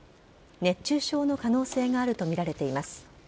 熱中症の可能性があるとみられています。